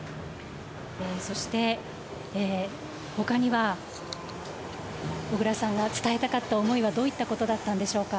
そして、ほかには、小倉さんが伝えたかった思いはどういったことだったんでしょうか。